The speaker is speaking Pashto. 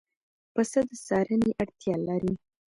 پسه د څارنې اړتیا لري.